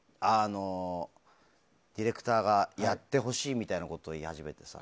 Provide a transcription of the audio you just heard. ディレクターがやってほしいみたいなことを言い始めてさ